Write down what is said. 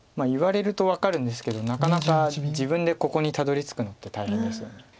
言われると分かるんですけどなかなか自分でここにたどりつくのって大変ですよね。